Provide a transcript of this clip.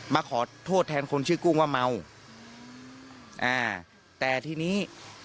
มาขอโทษแทนคนชื่อกุ้งว่าเมาอ่าแต่ทีนี้